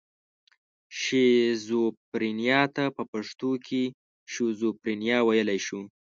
شیزوفرنیا ته په پښتو کې شیزوفرنیا ویلی شو.